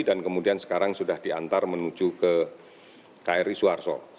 dan kemudian sekarang sudah diantar menuju ke kri suwarso